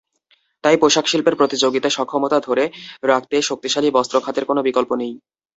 তাই পোশাকশিল্পের প্রতিযোগিতা সক্ষমতা ধরে রাখতে শক্তিশালী বস্ত্র খাতের কোনো বিকল্প নেই।